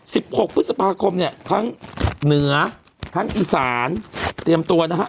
หกพฤษภาคมเนี่ยทั้งเหนือทั้งอีสานเตรียมตัวนะฮะ